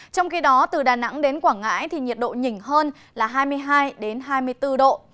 trong khi đó từ đà nẵng đến quảng ngãi thì nhiệt độ nhỉnh hơn là hai mươi hai hai mươi bốn độ